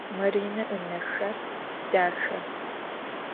Marine ınexer daxe.